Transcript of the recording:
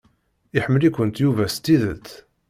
Iḥemmel-ikent Yuba s tidet.